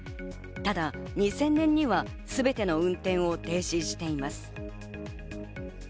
ただ２０００年にはすべての運転を停止しています。